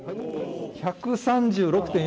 １３６．４。